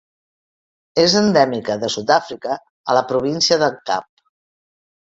És endèmica de Sud-àfrica a la Província del Cap.